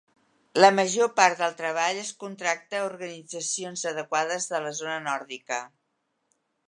La major part del treball es contracta a organitzacions adequades de la zona nòrdica.